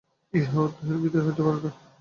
ইহা অর্থহীন ও বৃথা হইতে পারে না।